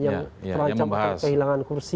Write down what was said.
yang terancam kehilangan kursi